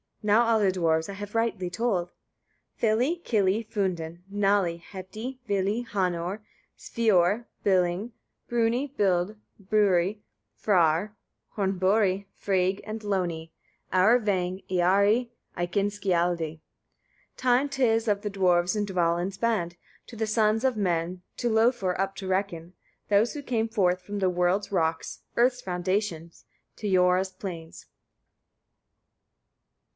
Now of the dwarfs I have rightly told. 13. Fili, Kili, Fundin, Nali, Hepti, Vili, Hanar, Svior, Billing, Bruni, Bild, Bûri, Frâr, Hornbori, Fræg and Lôni, Aurvang, Iari, Eikinskialdi. 14. Time 'tis of the dwarfs in Dvalin's band, to the sons of men, to Lofar up to reckon, those who came forth from the world's rock, earth's foundation, to Iora's plains.